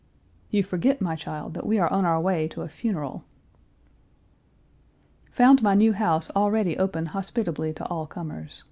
"You forget, my child, that we are on our way to a funeral." Found my new house already open hospitably to all comers.